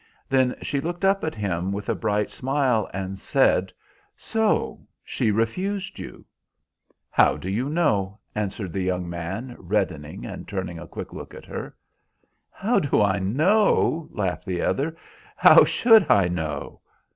Then she looked up at him, with a bright smile, and said, "So she refused you?" "How do you know?" answered the young man, reddening and turning a quick look at her. "How do I know?" laughed the other. "How should I know?"